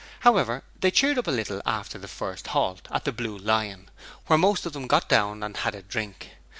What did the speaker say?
However, they cheered up a little after the first halt at the Blue Lion, where most of them got down and had a drink.